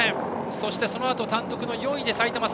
そして、そのあと単独の４位で埼玉栄。